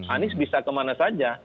anis bisa kemana saja